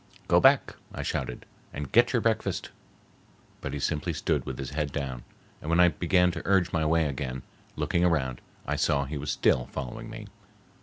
"Go back," I shouted, "and get your breakfast." But he simply stood with his head down, and when I began to urge my way again, looking around, I saw he was still following me.